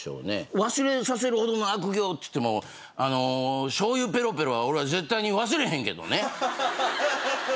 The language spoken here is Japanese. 「忘れさせる程の悪行」っつっても醤油ペロペロは俺は絶対に忘れへんけどね！